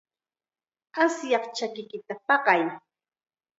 Asyaq chakiyki paqay.